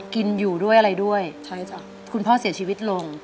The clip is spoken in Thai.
กินอยู่ด้วยอะไรด้วยคุณพ่อเสียชีวิตลง